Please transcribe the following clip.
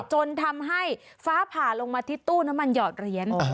จนทำให้ฟ้าผ่าลงมาที่ตู้น้ำมันหอดเหรียญ